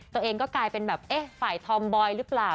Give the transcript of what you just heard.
ตัวเองก็กลายเป็นแบบเอ๊ะฝ่ายธอมบอยหรือเปล่า